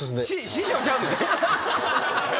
師匠ちゃうねん。